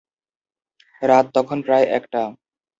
রাত তখন প্রায় একটা।